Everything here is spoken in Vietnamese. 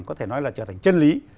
có thể nói là trở thành chân lý